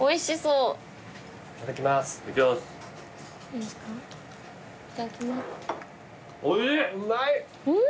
うまい！